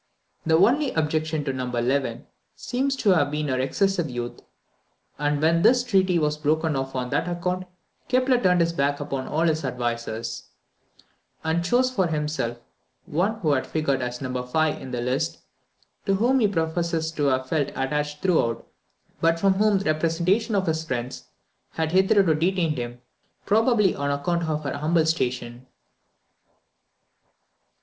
The only objection to No. 11 seems to have been her excessive youth; and when this treaty was broken off on that account, Kepler turned his back upon all his advisers, and chose for himself one who had figured as No. 5 in the list, to whom he professes to have felt attached throughout, but from whom the representations of his friends had hitherto detained him, probably on account of her humble station.